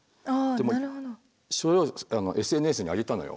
でもそれをＳＮＳに上げたのよ。